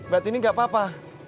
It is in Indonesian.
berarti ini gak apa apa